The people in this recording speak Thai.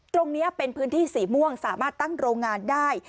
ตรงนี้เป็นพื้นที่สีม่วงสามารถตั้งโรงงานได้